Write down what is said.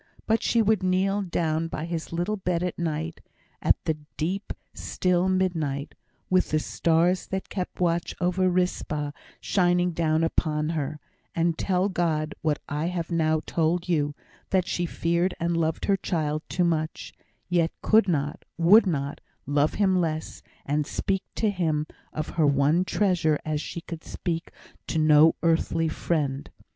But she would kneel down by his little bed at night at the deep, still midnight with the stars that kept watch over Rizpah shining down upon her, and tell God what I have now told you, that she feared she loved her child too much, yet could not, would not, love him less; and speak to Him of her one treasure as she could speak to no earthly friend.